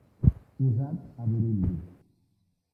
Usat a Burundi.